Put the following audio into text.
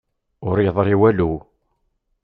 Ur yeḍṛi walu.